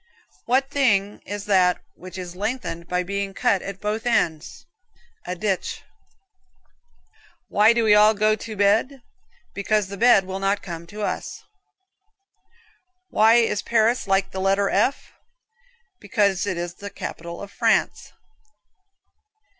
What thing is that which is lengthened by being cut at both ends? A ditch. Why do we all go to bed? Because the bed will not come to us. Why Paris like the letter F? Because it is the capital of France.